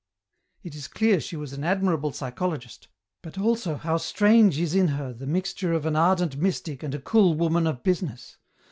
" It is clear she was an admirable psychologist, but also how strange is in her the mixture of an ardent mystic and a cool woman of business.